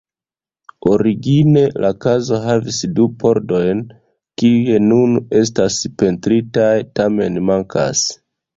Origine la kazo havis du pordojn, kiuj nun estas pentritaj, tamen mankas.